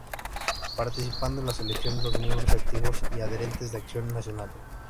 Participando en la selección los miembros activos y adherentes de Acción Nacional.